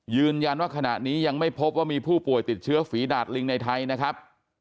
ยืนยันว่าขณะนี้ยังไม่พบว่ามีผู้ป่วยติดเชื้อฝีดาดลิงในไทยนะครับ